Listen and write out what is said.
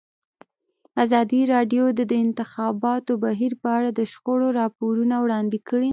ازادي راډیو د د انتخاباتو بهیر په اړه د شخړو راپورونه وړاندې کړي.